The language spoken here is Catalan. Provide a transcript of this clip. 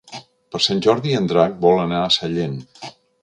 Per Sant Jordi en Drac vol anar a Sallent.